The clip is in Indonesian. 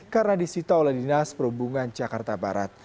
karena disita oleh dinas perhubungan jakarta barat